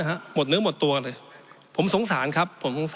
หมดเนื้อหมดตัวเลยผมสงสารครับ